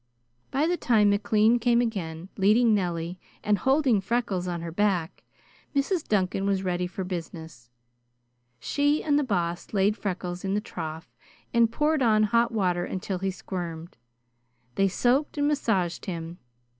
By the time McLean came again, leading Nelie and holding Freckles on her back, Mrs. Duncan was ready for business. She and the Boss laid Freckles in the trough and poured on hot water until he squirmed. They soaked and massaged him.